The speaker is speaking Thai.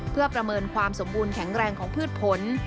เพื่อประเมินความสมบูรณแข็งแรงของพืชผล